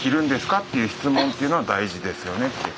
っていう質問っていうのは大事ですよねって。